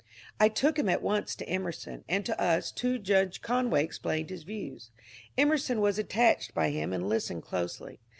I took him at once to Emerson, and to us two Judge Conway explained his views. Emerson was attracted by him and listened closely.